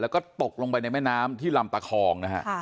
แล้วก็ตกลงไปในแม่น้ำที่ลำตะคองนะฮะ